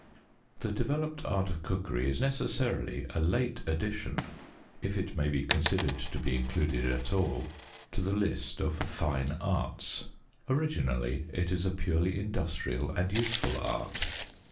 The developed art of cookery is necessarily a late addition ŌĆö if it may be considered to be included at all ŌĆö to the list of " fine arts." Originally it is a purely industrial and useful art.